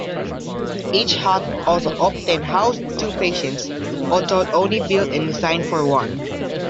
Each hut also often housed two patients, although only built and designed for one.